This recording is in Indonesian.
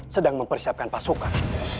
sedang mempersiapkan pasukan